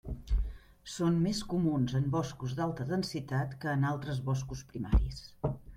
Són més comuns en boscos d'alta densitat que en altres boscos primaris.